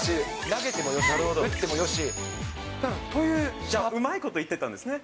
投げてもよし、じゃあ、うまいこと言ってたんですね。